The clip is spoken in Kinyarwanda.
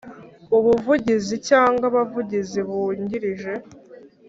Umuvugizi cyangwa Abavugizi Bungirije